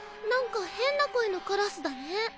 なんか変な声のカラスだね。